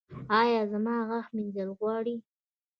ایا زما غاښ مینځل غواړي؟